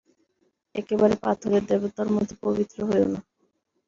একেবারে পাথরের দেবতার মতো পবিত্র হইয়ো না।